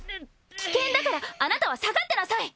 危険だからあなたは下がってなさい！